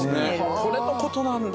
これのことなんだ。